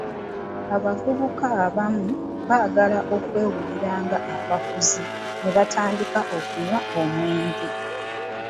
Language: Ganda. Abavubuka abamu baagala okwewulira nga bakuze ne batandika okunywa omwenge.